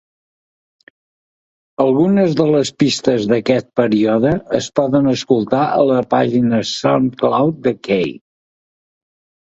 Algunes de les pistes d'aquest període es poden escoltar a la pàgina Soundcloud de Kaay.